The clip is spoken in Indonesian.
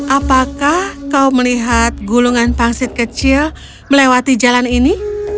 apakah kau melihat gulungan pangsit kecil melewati jalan ini